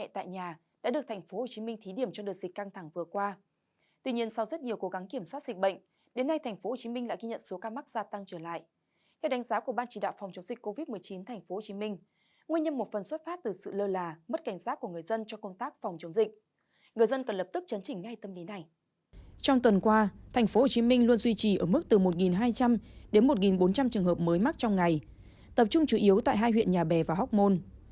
tập trung chủ yếu tại hai huyện nhà bè và hóc môn